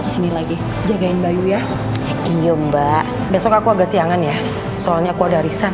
kesini lagi jagain bayu ya iyo mbak besok aku udah siangan ya soalnya aku ada risan